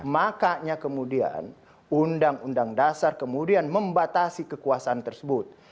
makanya kemudian undang undang dasar kemudian membatasi kekuasaan tersebut